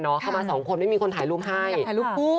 อยากถ่ายรูปคู่